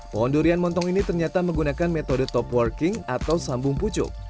pohon durian montong ini ternyata menggunakan metode top working atau sambung pucuk